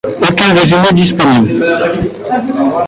Aucun résumé disponible.